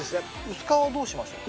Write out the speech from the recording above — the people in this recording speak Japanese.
薄皮はどうしましょうか？